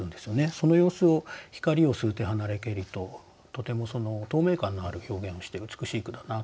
その様子を「ひかりを吸うて離れけり」ととても透明感のある表現をして美しい句だなと思いました。